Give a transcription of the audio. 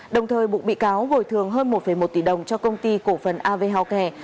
đồng thời bụng bị cáo gồi thương hơn một một tỷ đồng cho công ty cổ phần av healthcare